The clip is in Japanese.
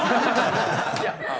いや。